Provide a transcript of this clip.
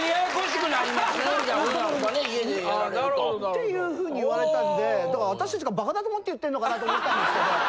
ていうふうに言われたんで私たちがバカだと思って言ってんのかなと思ってたんですけど。